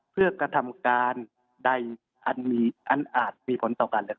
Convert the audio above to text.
เพื่อการทำการใดอันอาจมีผลต่อการตั้ง